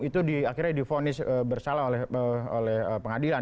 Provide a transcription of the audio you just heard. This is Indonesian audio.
itu akhirnya difonis bersalah oleh pengadilan